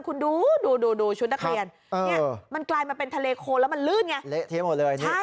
คุณดูชุดนักเรียนมันกลายมาเป็นทะเลโคลแล้วมันลื้นไงใช่เละเท้าหมดเลย